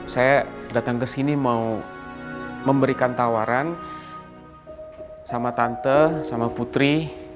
saya datang ke sini mau memberikan tawaran sama tante sama putri